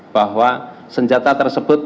bahwa senjata tersebut